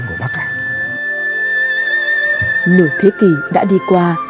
nửa thế kỷ đã đi qua